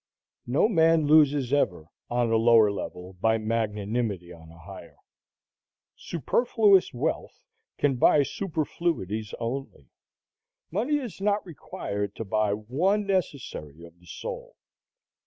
No man loses ever on a lower level by magnanimity on a higher. Superfluous wealth can buy superfluities only. Money is not required to buy one necessary of the soul.